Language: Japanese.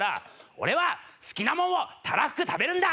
俺は好きなもんをたらふく食べるんだ！